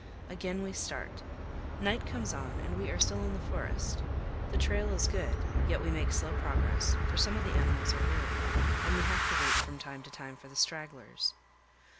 Again we start; night comes on and we are still in the forest; the trail is good, yet we make slow progress, for some of the animals are weary and we have to wait from time to time for the stragglers.